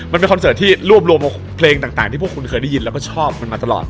คอนเสิร์ตที่รวบรวมเพลงต่างที่พวกคุณเคยได้ยินแล้วก็ชอบมันมาตลอด